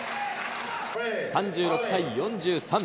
３６対４３。